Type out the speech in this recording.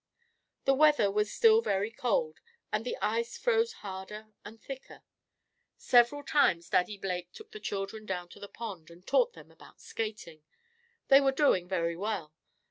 The weather was still very cold, and the ice froze harder and thicker. Several times Daddy Blake took the children down to the pond, and taught them about skating. They were doing very well.